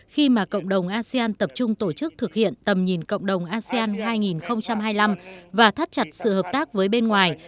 khi mà cộng đồng asean tập trung tổ chức thực hiện tầm nhìn cộng đồng asean hai nghìn hai mươi năm và thắt chặt sự hợp tác với bên ngoài